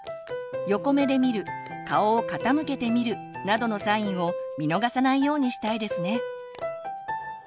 横目で見る顔を傾けて見るなどのサインを見逃さないようにしたいですね。